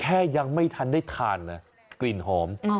ยังไม่ทันได้ทานนะกลิ่นหอม